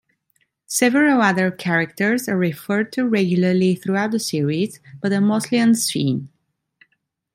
Several other characters are referred to regularly throughout the series, but are mostly unseen.